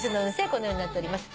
このようになっております。